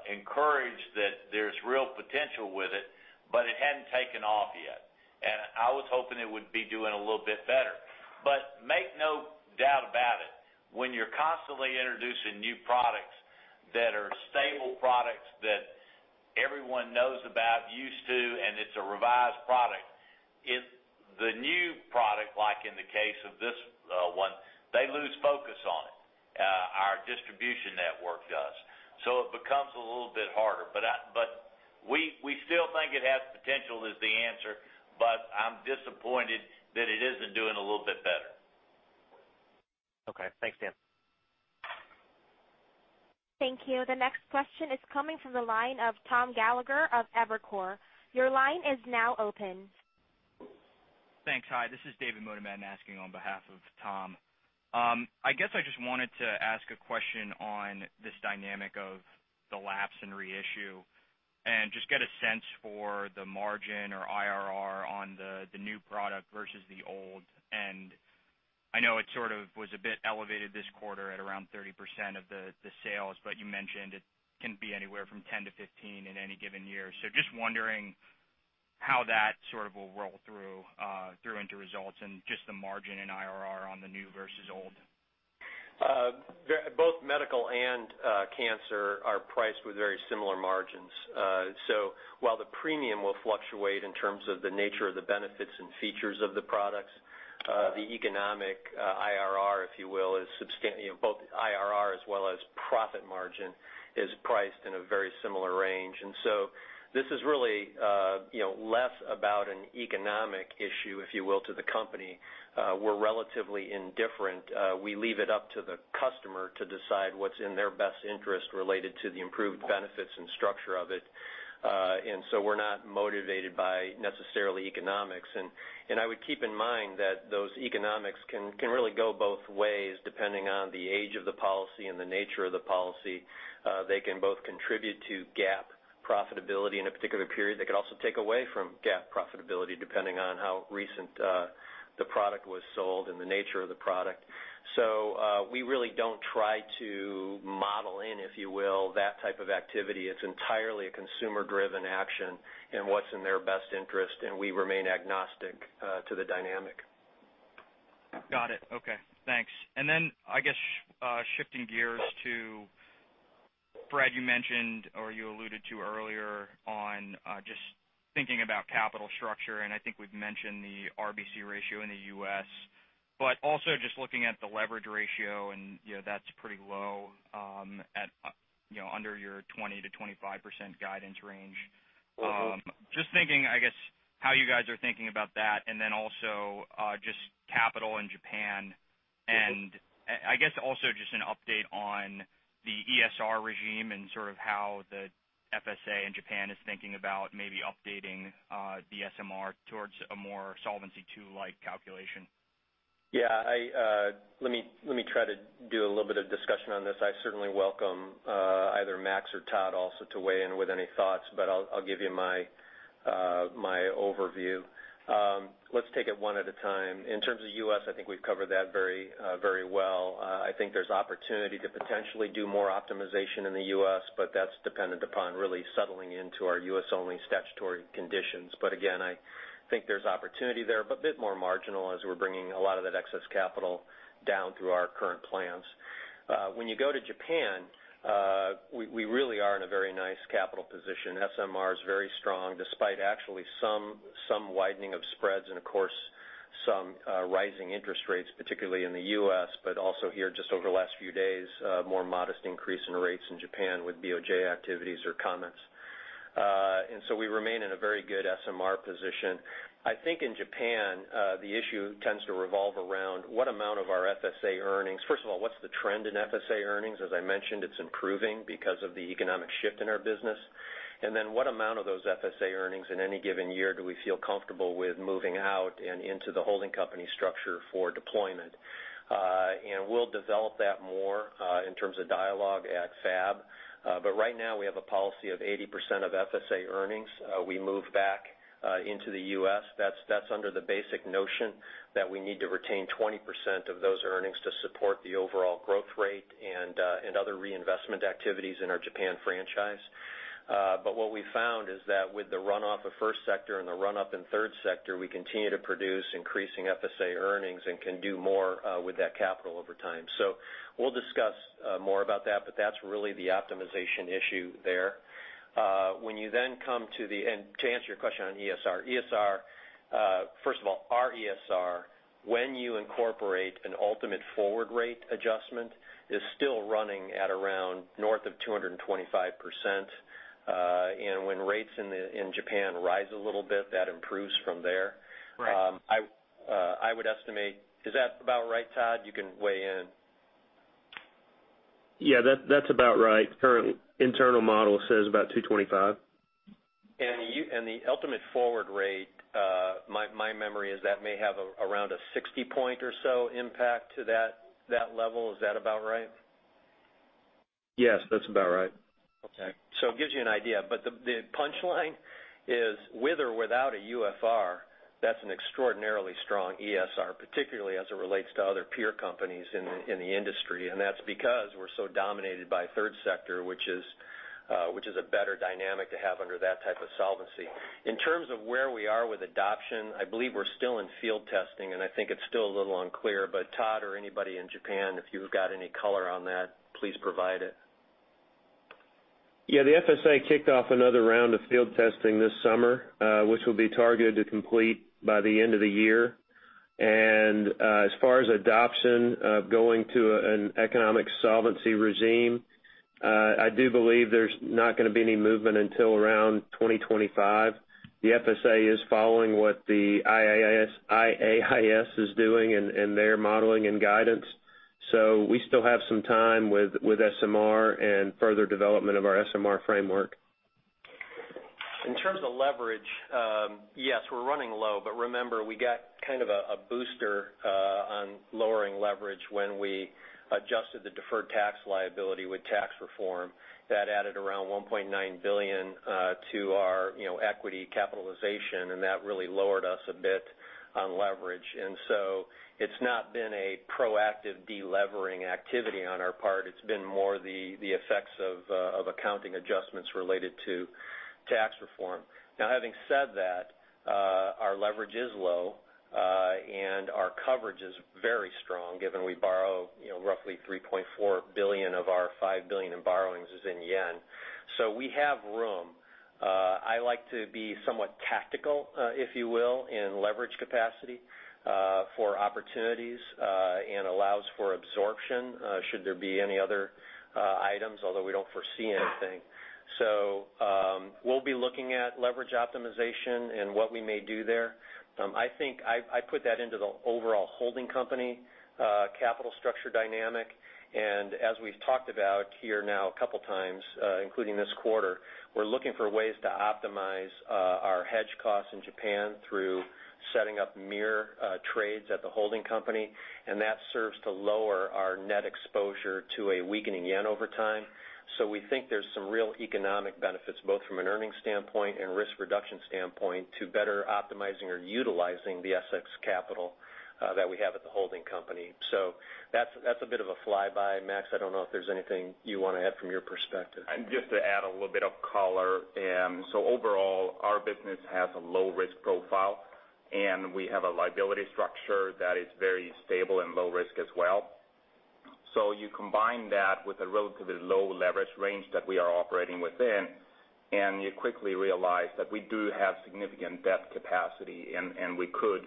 Speaker 3: encouraged that there's real potential with it, but it hadn't taken off yet. I was hoping it would be doing a little bit better. Make no doubt about it, when you're constantly introducing new products that are stable products that everyone knows about, used to, and it's a revised product, the new product, like in the case of this one, they lose focus on it, our distribution network does. It becomes a little bit harder. We still think it has potential is the answer, but I'm disappointed that it isn't doing a little bit better.
Speaker 15: Okay. Thanks, Dan.
Speaker 1: Thank you. The next question is coming from the line of Tom Gallagher of Evercore. Your line is now open.
Speaker 16: Thanks. Hi, this is David Motemaden asking on behalf of Tom. I guess I just wanted to ask a question on this dynamic of the lapse and reissue, and just get a sense for the margin or IRR on the new product versus the old. I know it sort of was a bit elevated this quarter at around 30% of the sales, but you mentioned it can be anywhere from 10%-15% in any given year. Just wondering how that sort of will roll through into results and just the margin in IRR on the new versus old.
Speaker 4: Both medical and cancer are priced with very similar margins. While the premium will fluctuate in terms of the nature of the benefits and features of the products, the economic IRR, if you will, both IRR as well as profit margin, is priced in a very similar range. This is really less about an economic issue, if you will, to the company. We're relatively indifferent. We leave it up to the customer to decide what's in their best interest related to the improved benefits and structure of it. We're not motivated by necessarily economics. I would keep in mind that those economics can really go both ways depending on the age of the policy and the nature of the policy. They can both contribute to GAAP profitability in a particular period. They could also take away from GAAP profitability depending on how recent the product was sold and the nature of the product. We really don't try to model in, if you will, that type of activity. It's entirely a consumer-driven action and what's in their best interest, and we remain agnostic to the dynamic.
Speaker 16: Got it. Okay. Thanks. I guess shifting gears to, Fred, you mentioned, or you alluded to earlier on just thinking about capital structure, and I think we've mentioned the RBC ratio in the U.S., but also just looking at the leverage ratio, and that's pretty low at under your 20%-25% guidance range. Just thinking, I guess, how you guys are thinking about that, and then also just capital in Japan.
Speaker 4: Okay.
Speaker 16: I guess also just an update on the ESR regime and sort of how the FSA in Japan is thinking about maybe updating the SMR towards a more Solvency II-like calculation.
Speaker 4: Yeah. Let me try to do a little bit of discussion on this. I certainly welcome either Max or Todd also to weigh in with any thoughts, but I'll give you my overview. Let's take it one at a time. In terms of U.S., I think we've covered that very well. I think there's opportunity to potentially do more optimization in the U.S., but that's dependent upon really settling into our U.S.-only statutory conditions. Again, I think there's opportunity there, but a bit more marginal as we're bringing a lot of that excess capital down through our current plans. When you go to Japan, we really are in a very nice capital position. SMR is very strong, despite actually some widening of spreads and, of course, some rising interest rates, particularly in the U.S., but also here just over the last few days, a more modest increase in rates in Japan with BOJ activities or comments. We remain in a very good SMR position. I think in Japan, the issue tends to revolve around what amount of our FSA earnings. First of all, what's the trend in FSA earnings? As I mentioned, it's improving because of the economic shift in our business. What amount of those FSA earnings in any given year do we feel comfortable with moving out and into the holding company structure for deployment? We'll develop that more in terms of dialogue at FAB. Right now, we have a policy of 80% of FSA earnings. We move back into the U.S. That's under the basic notion that we need to retain 20% of those earnings to support the overall growth rate and other reinvestment activities in our Japan franchise. What we found is that with the runoff of first sector and the run-up in third sector, we continue to produce increasing FSA earnings and can do more with that capital over time. We'll discuss more about that, but that's really the optimization issue there. You then come to the end, to answer your question on ESR. ESR, first of all, our ESR, when you incorporate an ultimate forward rate adjustment, is still running at around north of 225%. When rates in Japan rise a little bit, that improves from there.
Speaker 16: Right.
Speaker 4: I would estimate. Is that about right, Todd? You can weigh in.
Speaker 17: Yeah, that's about right. Current internal model says about 225.
Speaker 4: The ultimate forward rate, my memory is that may have around a 60-point or so impact to that level. Is that about right?
Speaker 17: Yes, that's about right.
Speaker 4: Okay. It gives you an idea. The punchline is with or without a UFR, that's an extraordinarily strong ESR, particularly as it relates to other peer companies in the industry. That's because we're so dominated by third sector, which is a better dynamic to have under that type of solvency. In terms of where we are with adoption, I believe we're still in field testing, and I think it's still a little unclear. Todd or anybody in Japan, if you've got any color on that, please provide it.
Speaker 17: The FSA kicked off another round of field testing this summer, which will be targeted to complete by the end of the year. As far as adoption of going to an economic solvency regime, I do believe there's not going to be any movement until around 2025. The FSA is following what the IAIS is doing and their modeling and guidance. We still have some time with SMR and further development of our SMR framework.
Speaker 4: In terms of leverage, yes, we're running low, but remember, we got kind of a booster on lowering leverage when we adjusted the deferred tax liability with tax reform. That added around $1.9 billion to our equity capitalization, and that really lowered us a bit on leverage. It's not been a proactive de-levering activity on our part. It's been more the effects of accounting adjustments related to tax reform. Having said that, our leverage is low and our coverage is very strong given we borrow roughly $3.4 billion of our $5 billion in borrowings is in JPY. We have room. I like to be somewhat tactical, if you will, in leverage capacity for opportunities and allows for absorption should there be any other items, although we don't foresee anything. We'll be looking at leverage optimization and what we may do there. I think I put that into the overall holding company capital structure dynamic. As we've talked about here now a couple of times including this quarter, we're looking for ways to optimize our hedge costs in Japan through setting up mirror trades at the holding company, and that serves to lower our net exposure to a weakening JPY over time. We think there's some real economic benefits, both from an earnings standpoint and risk reduction standpoint, to better optimizing or utilizing the excess capital that we have at the holding company. That's a bit of a flyby. Max, I don't know if there's anything you want to add from your perspective.
Speaker 18: Just to add a little bit of color. Overall, our business has a low-risk profile. We have a liability structure that is very stable and low risk as well. You combine that with a relatively low leverage range that we are operating within, and you quickly realize that we do have significant debt capacity, and we could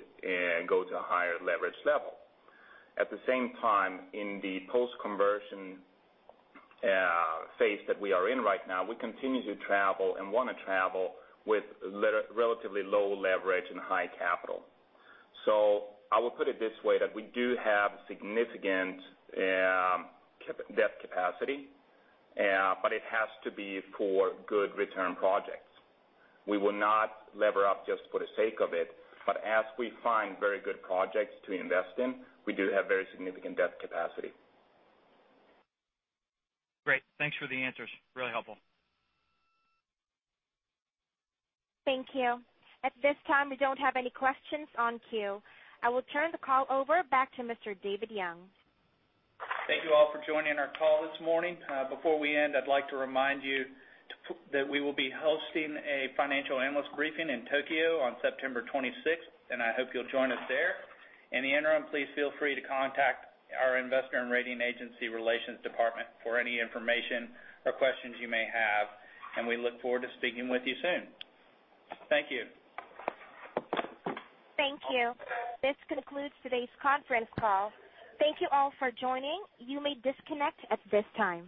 Speaker 18: go to a higher leverage level. At the same time, in the post-conversion phase that we are in right now, we continue to travel and want to travel with relatively low leverage and high capital. I would put it this way, that we do have significant debt capacity, but it has to be for good return projects. We will not lever up just for the sake of it. As we find very good projects to invest in, we do have very significant debt capacity.
Speaker 16: Great. Thanks for the answers. Really helpful.
Speaker 1: Thank you. At this time, we don't have any questions in queue. I will turn the call over back to Mr. David Young.
Speaker 2: Thank you all for joining our call this morning. Before we end, I'd like to remind you that we will be hosting a financial analyst briefing in Tokyo on September 26th. I hope you'll join us there. In the interim, please feel free to contact our Investor and Rating Agency Relations Department for any information or questions you may have. We look forward to speaking with you soon. Thank you.
Speaker 1: Thank you. This concludes today's conference call. Thank you all for joining. You may disconnect at this time.